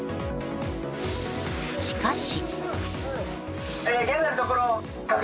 しかし。